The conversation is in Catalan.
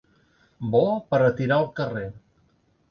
Bo per a tirar al carrer.